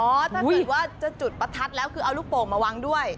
ถ้าเกิดว่าจะจุดประทัดแล้วคือเอาลูกโป่งมาวางด้วย